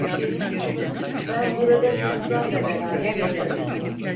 Ben burada çocuklarla beraber yatarım…